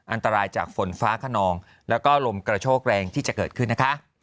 อันตรายจากฝนฟ้าขนองแล้วก็ลมกระโชกแรงที่จะเกิดขึ้นนะคะ